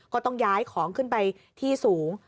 ก็ต้องย้ายของขึ้นไปที่สูง